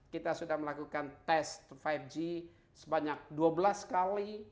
kita sudah melakukan tes lima g sebanyak dua belas kali